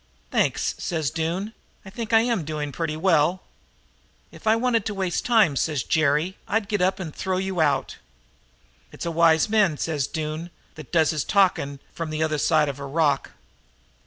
"'Thanks,' says Doone. 'I think I am doing pretty well.' "'If I wanted to waste the time,' says Jerry, 'I'd get up and throw you out.' "'It's a wise man,' says Doone, 'that does his talking from the other side of a rock.'